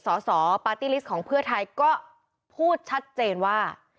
สสปาร์ตี้ลิสต์ของเพื่อไทยก็พูดชัดเจนว่า